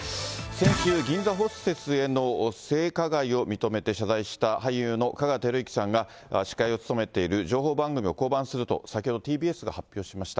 先週、銀座ホステスへの性加害を認めて謝罪した俳優の香川照之さんが司会を務めている情報番組を降板すると、先ほどＴＢＳが発表しまし